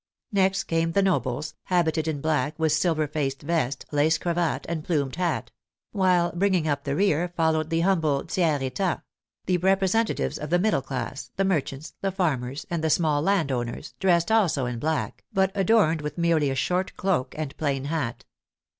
Next came the nobles, habited in black, with silver faced vest, lace cravat, and plumed hat ; while bringing up the rear followed the humble tiers etat — the representatives of the middle class, the merchants, the farmers, and the small landowners — dressed also in black, but adorned with merely a short cloak and plain hat.